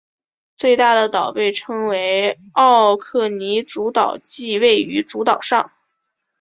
最大的岛被称为奥克尼主岛即位于主岛上。